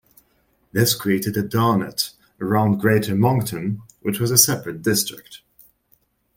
This created a "doughnut" around Greater Moncton, which was a separate district.